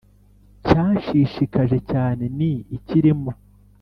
Cyanshishikaje cyane ni ikirimo